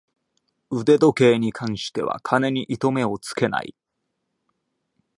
腕時計に関しては金に糸目をつけない